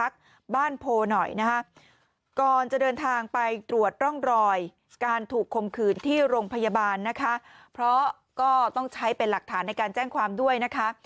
เพราะก็ต้องใช้เป็นหลักฐานในการแจ้งความด้วยนะคะ